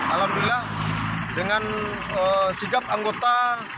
alhamdulillah dengan sigap anggota